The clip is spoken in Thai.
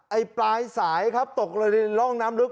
ไอ้ปลายสายครับตกไปด้านเข้าน้ำลึก